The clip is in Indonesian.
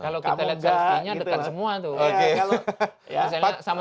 kalau kita lihat gasnya dekat semua tuh